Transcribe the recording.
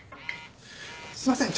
すみません。